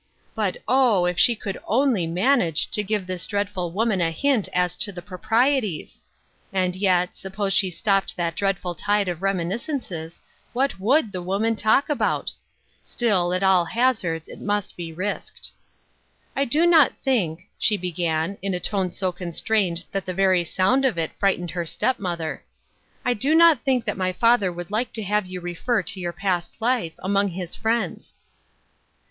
But, oh, if she could onl^ manage to give this dreadful woman a hint as to the proprieties! And yet, suppose sue stopped that dreadful tide of reminiscences, what would the woman talk about ? Still, at aD hazards, it must be risked :" I do not think," she began, in a tone so con strained that the very sound of it frightened lier A Society Cross, 145 step mother. "I do not think that my father would like to have you refer to your past life, among his friends."